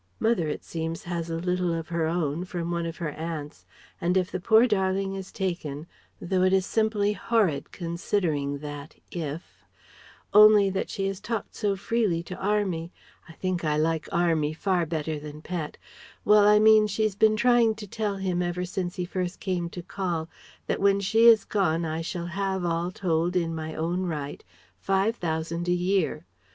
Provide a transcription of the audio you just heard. Mother, it seems, has a little of her own, from one of her aunts, and if the poor darling is taken though it is simply horrid considering that if only that she has talked so freely to Army I think I like 'Army' far better than 'Pet' Well I mean she's been trying to tell him ever since he first came to call that when she is gone I shall have, all told, in my own right, Five thousand a year.